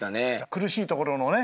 苦しいところのね。